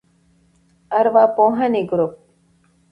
ارواپوهنې ګروپ